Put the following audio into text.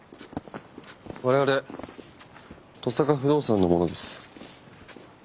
我々登坂不動産の者です。